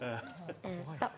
えっと。